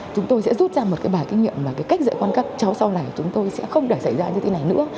chúng tôi sẽ rút ra một bài kinh nghiệm về cách dạy con các cháu sau này chúng tôi sẽ không để xảy ra như thế này nữa